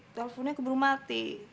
teleponnya aku baru mati